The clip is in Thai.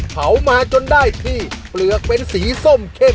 เผามาจนได้ที่เปลือกเป็นสีส้มเข้ม